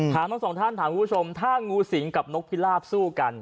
ทั้งสองท่านถามคุณผู้ชมถ้างูสิงกับนกพิลาบสู้กัน